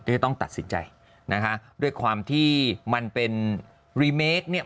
จะต้องตัดสินใจนะคะด้วยความที่มันเป็นรีเมคเนี่ย